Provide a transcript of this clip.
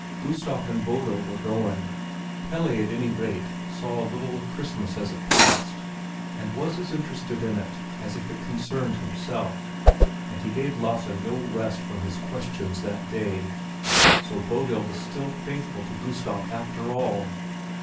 Gustav and Bodil were going. Pelle at any rate saw a little of Christmas as it passed, and was as interested in it as if it concerned himself; and he gave Lasse no rest from his questions that day. So Bodil was still faithful to Gustav, after all!